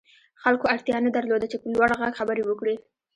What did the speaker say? خلکو اړتيا نه درلوده چې په لوړ غږ خبرې وکړي.